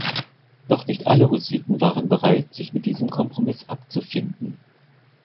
Doch nicht alle Hussiten waren bereit, sich mit diesem Kompromiss abzufinden.